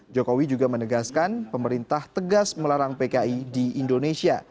jokowi juga menegaskan pemerintah tegas melarang pki di indonesia